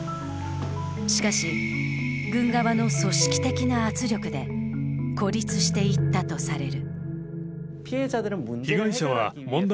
しかし、軍側の組織的な圧力で孤立していったとされる。